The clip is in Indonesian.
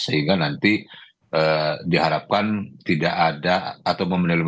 sehingga nanti diharapkan tidak ada atau memenuhi